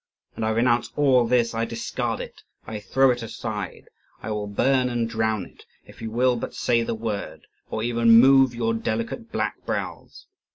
And I renounce all this, I discard it, I throw it aside, I will burn and drown it, if you will but say the word, or even move your delicate black brows!